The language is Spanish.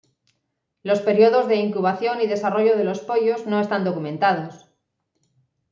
Los periodos de incubación y desarrollo de los pollos no están documentados.